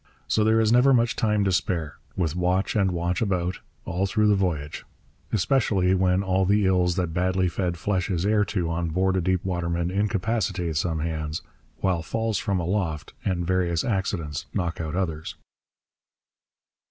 So there is never much time to spare, with watch and watch about, all through the voyage; especially when all the ills that badly fed flesh is heir to on board a deepwaterman incapacitate some hands, while falls from aloft and various accidents knock out others.